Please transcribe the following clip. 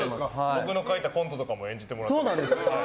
僕の書いたコントとかも演じてもらって。